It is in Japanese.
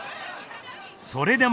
それでも。